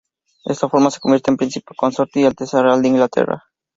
De esta forma se convierte en Príncipe consorte y Alteza Real de Inglaterra.